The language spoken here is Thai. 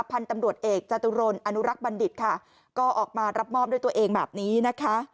พันธุ์ตำรวจเอกจตุรนอนุรักษ์บัณฑิตค่ะก็ออกมารับมอบด้วยตัวเองแบบนี้นะคะ